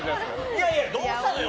いやいや、どうしたのよ